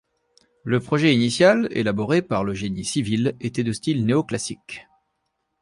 Le projet initial, élaboré par le Génie Civil, était de style néoclassique.